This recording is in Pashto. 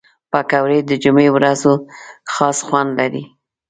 پکورې د جمعې ورځو خاص خوند لري